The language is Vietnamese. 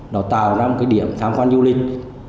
nó tạo ra một cái điểm tham quan du lịch